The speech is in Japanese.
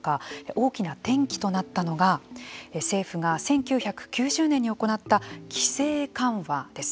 大きな転機となったのが政府が１９９０年に行った規制緩和です。